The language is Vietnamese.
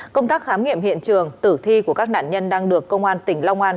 công tác khám nghiệm hiện trường tử thi của các nạn nhân đang được công an tỉnh long an